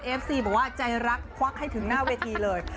ซีบอกว่าใจรักควักให้ถึงหน้าเวทีเลย